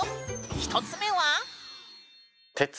１つ目は。